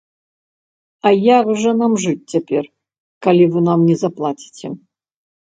А як жа нам жыць цяпер, калі вы нам не заплаціце?